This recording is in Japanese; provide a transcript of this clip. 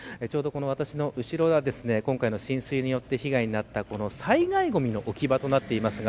私の後ろが今回の浸水によって被害のあった災害ごみの置き場になっています。